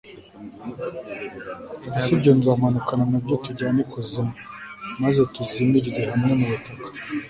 ese ibyo nzamanukana na byo tujyane ikuzimu, maze tuzimirire hamwe mu butaka